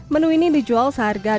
menu ini dijual seharga rp dua puluh lima